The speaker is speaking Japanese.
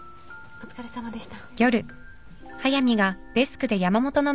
お疲れさまです。